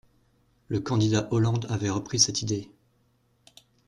Le candidat Hollande avait repris cette idée.